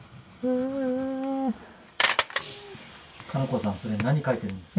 加那子さんそれ何描いてるんですか？